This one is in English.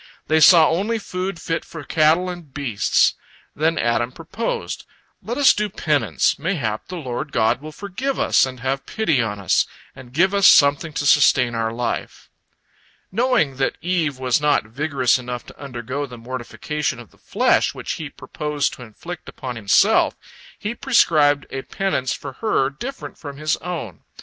They saw only food fit for cattle and beasts. Then Adam proposed: "Let us do penance, mayhap the Lord God will forgive us and have pity on us, and give us something to sustain our life." Knowing that Eve was not vigorous enough to undergo the mortification of the flesh which he purposed to inflict upon himself, he prescribed a penance for her different from his own.